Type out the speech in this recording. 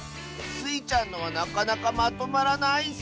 スイちゃんのはなかなかまとまらないッス